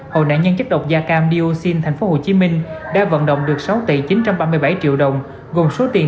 hội nạn nhân chất độc da cam dioxin tp hcm đã vận động được sáu tỷ chín trăm ba mươi bảy triệu đồng gồm số tiền